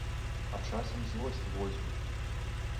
А часам злосць возьме.